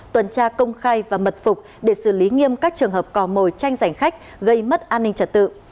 tuần tra công khai và mật phục để xử lý nghiêm các trường hợp cò mồi tranh giành khách gây mất an ninh trật tự